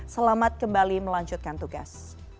selamat kembali melanjutkan tugas